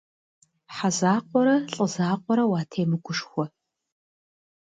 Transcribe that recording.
Хьэ закъуэрэ, лӏы закъуэрэ уатемыгушхуэ.